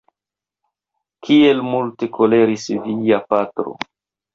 Kiel multe koleris via patro!